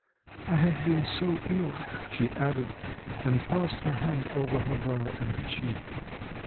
I have been so ill," she added, and passed her hand over her brow and cheek.